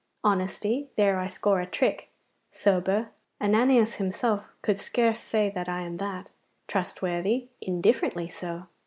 Honesty there I score a trick. Sober Ananias himself could scarce say that I am that. Trustworthy indifferently so.